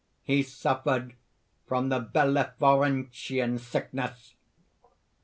He suffered from the Bellephorentian sickness.